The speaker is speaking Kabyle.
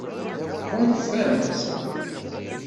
Tɣunfam-tt?